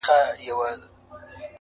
• خلک بيا بحث شروع کوي ډېر,